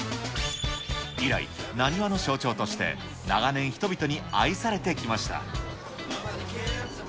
以来、なにわの象徴として、長年、人々に愛されてきました。